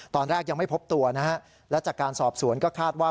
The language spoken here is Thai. ตอนแรกยังไม่พบตัวนะฮะและจากการสอบสวนก็คาดว่า